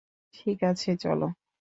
ঠিক আছে, চলো।